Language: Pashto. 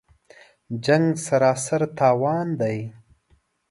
جـنګ سراسر تاوان دی